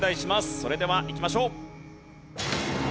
それではいきましょう。